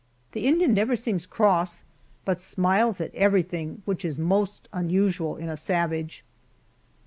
The Indian never seems cross, but smiles at everything, which is most unusual in a savage.